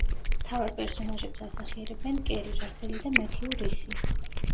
მთავარ პერსონაჟებს ასახიერებენ კერი რასელი და მეთიუ რისი.